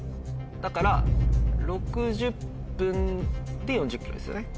だから６０分で４０ｋｍですよね。